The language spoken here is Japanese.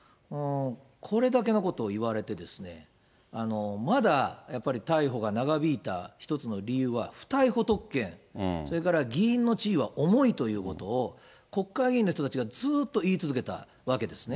これだけのことを言われてですね、まだやっぱり逮捕が長引いた一つの理由は不逮捕特権、それから議員の地位は重いということを、国会議員の人たちがずっと言い続けたわけですね。